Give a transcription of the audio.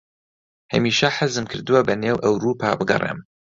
هەمیشە حەزم کردووە بەنێو ئەورووپا بگەڕێم.